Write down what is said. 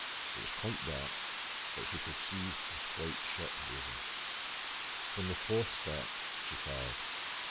It was quite dark, but she could see his white shirt bosom. From the fourth step she fired.